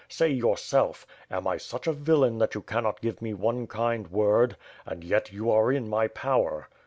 Say yourself! am I such a villain that you cannot give me one kind word? And yet, you are in my power."